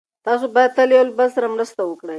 تاسو باید تل یو بل سره مرسته وکړئ.